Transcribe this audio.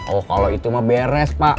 oh kalau itu mah beres pak